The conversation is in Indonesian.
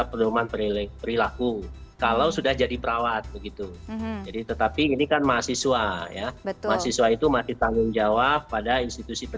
emang harus cepat cepat lebih kedatangan yang terper